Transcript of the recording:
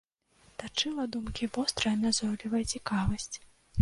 Тачыла думкі вострая назойлівая цікавасць.